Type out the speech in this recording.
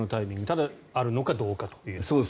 ただあるのかどうかということですね。